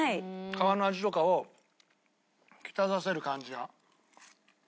皮の味とかを引き立たせる感じが。